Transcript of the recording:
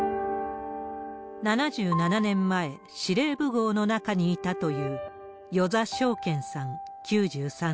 ７７年前、司令部ごうの中にいたという、與座章健さん９３歳。